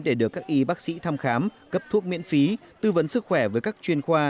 để được các y bác sĩ thăm khám cấp thuốc miễn phí tư vấn sức khỏe với các chuyên khoa